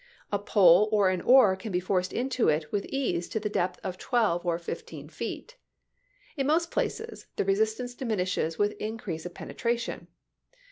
A pole or an oar can be forced into it with ease to the depth of twelve or fifteen feet. In most places the resist ance diminishes with increase of penetration.